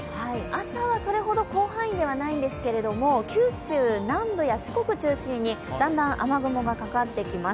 朝はそれほど広範囲ではないんですが九州南部や四国中心にだんだん雨雲がかかってきます。